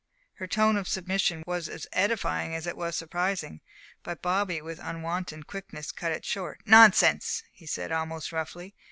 Her tone of submission was as edifying as it was surprising, but Bobby with unwonted quickness cut it short. "Nonsense!" he said almost roughly.